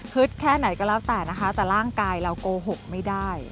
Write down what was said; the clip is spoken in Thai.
แค่ไหนก็แล้วแต่นะคะแต่ร่างกายเราโกหกไม่ได้